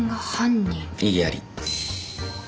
異議あり。